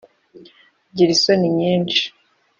Ngira isoni nyinshi